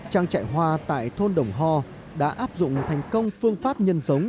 trang trại hoa tại thôn đồng ho đã áp dụng thành công phương pháp nhân giống